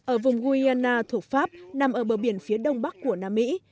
ở vùng guiana thuộc pháp nằm ở bờ biển phía đông bắc của nam mỹ